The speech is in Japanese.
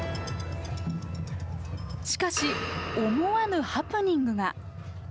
しかし思わぬハプニングが。